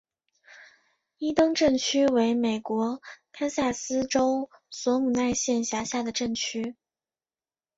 伊登镇区为美国堪萨斯州索姆奈县辖下的镇区。